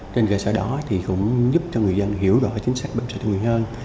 trên cơ sở đó thì cũng giúp cho người dân hiểu rõ chính sách bảo hiểm xã hội hơn